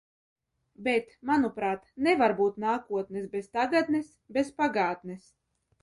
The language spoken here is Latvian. Bet, manuprāt, nevar būt nākotnes bez tagadnes, bez pagātnes.